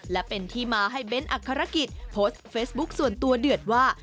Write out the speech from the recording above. และเป็นที่มาให้เบ้นอักษรกิจโพสต์เฟซบุ๊คส่วนตัวเดือดว่า